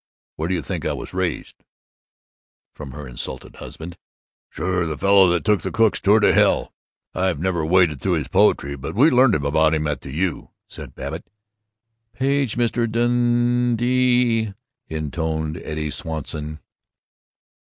Where do you think I was raised?" from her insulted husband. "Sure the fellow that took the Cook's Tour to Hell. I've never waded through his po'try, but we learned about him in the U.," said Babbitt. "Page Mr. Dannnnnty!" intoned Eddie Swanson.